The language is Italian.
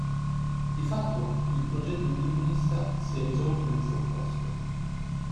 Di fatto, il progetto illuminista si è risolto nel suo opposto.